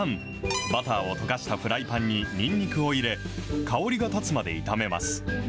バターを溶かしたフライパンににんにくを入れ、香りが立つまで炒めます。